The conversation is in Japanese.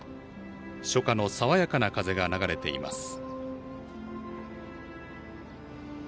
初夏の爽やかな風が流れています。